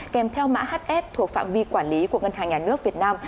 kèm theo mã hs thuộc phạm vi quản lý của ngân hàng nhà nước việt nam